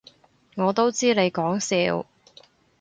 我都知你講笑